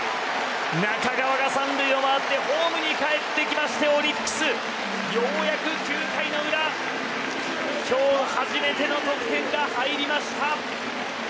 中川が３塁を回ってホームにかえってきてオリックス、ようやく９回の裏今日初めての得点が入りました。